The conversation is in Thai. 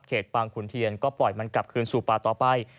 บางขุนเทียนก็ปล่อยมันกลับคืนสู่ป่าต่อไป